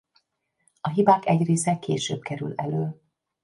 A hibák egy része később kerül elő.